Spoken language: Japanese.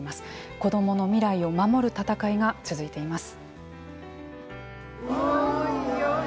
子どもの未来を守る闘いが続いています。